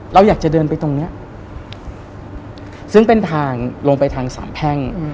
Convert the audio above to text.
เราอยากจะเดินไปตรงเนี้ยซึ่งเป็นทางลงไปทางสามแพ่ง